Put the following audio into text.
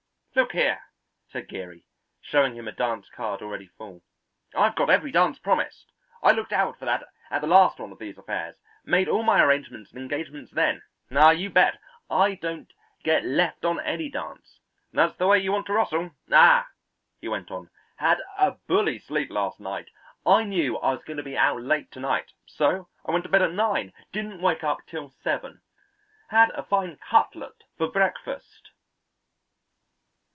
"Look here," said Geary, showing him a dance card already full, "I've got every dance promised. I looked out for that at the last one of these affairs; made all my arrangements and engagements then. Ah, you bet, I don't get left on any dance. That's the way you want to rustle. Ah," he went on, "had a bully sleep last night. I knew I was going to be out late to night, so I went to bed at nine; didn't wake up till seven. Had a fine cutlet for breakfast."